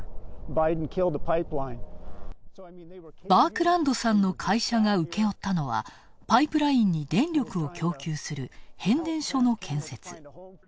バークランドさんの会社が請け負ったのはパイプラインに電力を供給する変電所の建設。